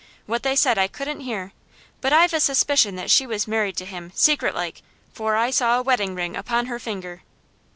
What they said I couldn't hear, but I've a suspicion that she was married to him, secretlike for I saw a wedding ring upon her finger."